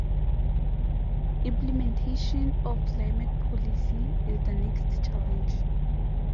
Implementation of climate policy is the next challenge.